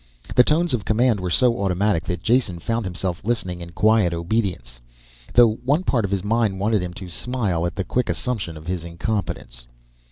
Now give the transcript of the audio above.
The tones of command were so automatic that Jason found himself listening in quiet obedience. Though one part of his mind wanted him to smile at the quick assumption of his incompetence.